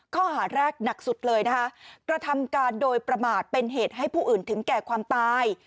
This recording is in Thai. ข้อหาแรกหนักสุดเลยนะคะกระทำการโดยประมาทเป็นเหตุให้ผู้อื่นถึงแก่ความตาย